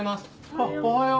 あっおはよう。